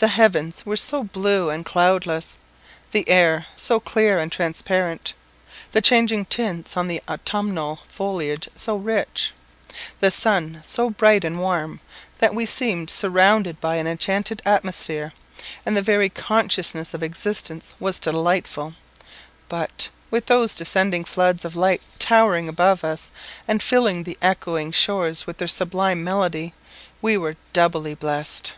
The heavens were so blue and cloudless, the air so clear and transparent, the changing tints on the autumnal foliage so rich, the sun so bright and warm, that we seemed surrounded by an enchanted atmosphere, and the very consciousness of existence was delightful; but, with those descending floods of light towering above us, and filling the echoing shores with their sublime melody, we were doubly blessed!